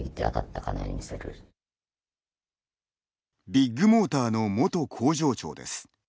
ビッグモーターの元工場長です。